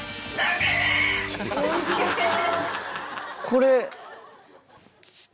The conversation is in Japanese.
これ。